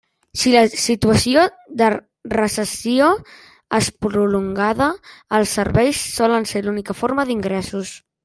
Si la situació de recessió és prolongada, els serveis solen ser l'única forma d'ingressos.